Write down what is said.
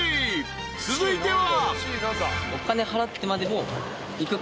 続いては］